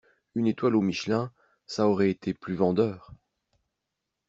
Une étoile au Michelin ça aurait été plus vendeur